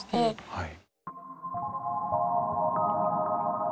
はい。